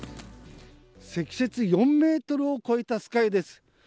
積雪４メートルを超えた酸ヶ湯です。